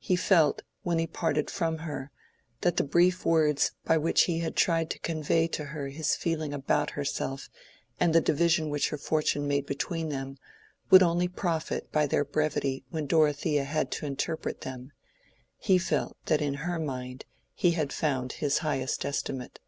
He felt, when he parted from her, that the brief words by which he had tried to convey to her his feeling about herself and the division which her fortune made between them, would only profit by their brevity when Dorothea had to interpret them: he felt that in her mind he had found his highest estimate.